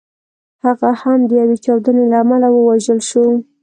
هغه هم د یوې چاودنې له امله ووژل شو.